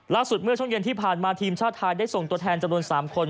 เมื่อช่วงเย็นที่ผ่านมาทีมชาติไทยได้ส่งตัวแทนจำนวน๓คน